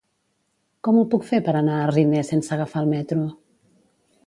Com ho puc fer per anar a Riner sense agafar el metro?